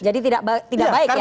jadi tidak baik ya